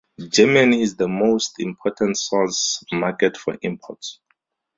Germany is the most important source market for imports.